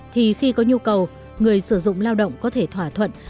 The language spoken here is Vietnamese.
thì khi có nhu cầu người sử dụng lao động có thể thỏa thuận